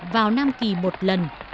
vào nam kỳ một lần